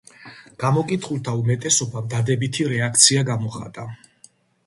გამოკითხულთა უმეტესობამ, დადებითი რეაქცია გამოხატა.